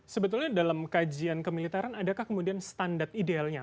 sebetulnya dalam kajian kemiliteran adakah kemudian standar idealnya